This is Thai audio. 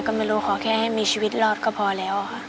ขอแค่ให้มีชีวิตรอดก็พอแล้วค่ะ